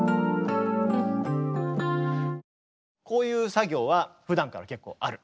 こういう作業はふだんから結構ある？